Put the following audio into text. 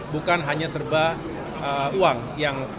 bukan hanya serba uang yang